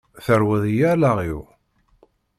Terwiḍ-iyi allaɣ-iw!